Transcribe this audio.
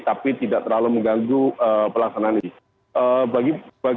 tapi tidak terlalu mengganggu pelaksanaan ini